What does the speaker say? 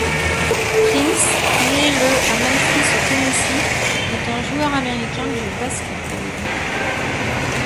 Prince, né le à Memphis au Tennessee, est un joueur américain de basket-ball.